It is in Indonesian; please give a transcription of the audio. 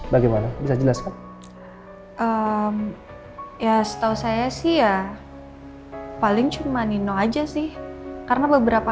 bagaimana bisa jelas kok ya setahu saya sih ya paling cuma nino aja sih karena beberapa